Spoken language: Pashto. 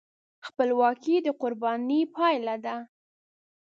خپلواکي د قربانۍ پایله ده.